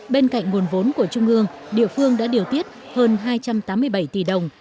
bên cạnh nguồn vốn của trung ương địa phương đã điều tiết hơn hai trăm tám mươi bảy tỷ đồng